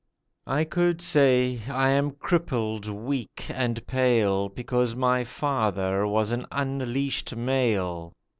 I could say: 'I am crippled, weak, and pale, Because my father was an unleashed male.